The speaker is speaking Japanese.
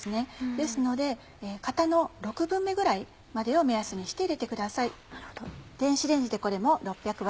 ですので型の６分目ぐらいまでを目安にして入れてください。